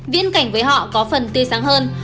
viễn cảnh với họ có phần tươi sáng hơn